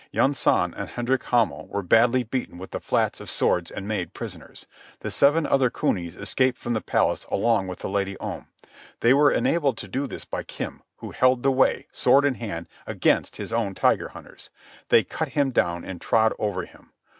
Yunsan and Hendrik Hamel were badly beaten with the flats of swords and made prisoners. The seven other cunies escaped from the palace along with the Lady Om. They were enabled to do this by Kim, who held the way, sword in hand, against his own Tiger Hunters. They cut him down and trod over him.